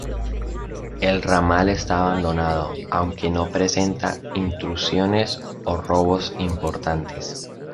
El ramal está abandonado, aunque no presenta intrusiones o robos importantes.